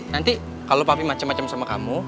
nanti kalau papi macem macem sama kamu